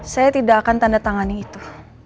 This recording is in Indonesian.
saya tidak akan tanda tangan itu